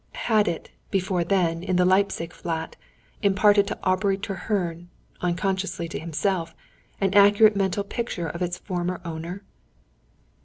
Had it, before then, in the Leipzig flat, imparted to Aubrey Treherne unconsciously to himself an accurate mental picture of its former owner?